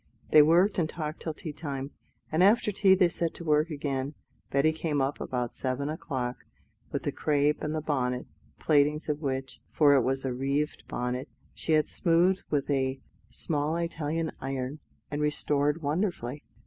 They worked and talked till tea time, and after tea they set to work again. Betty came up about seven o'clock with the crape and the bonnet, the plaitings of which for it was a reeved bonnet she had smoothed with a small Italian iron, and restored wonderfully.